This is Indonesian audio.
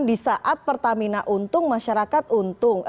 di saat pertamina untung masyarakat untung